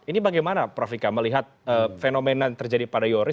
ini bagaimana prof vikam melihat fenomena terjadi pada yoris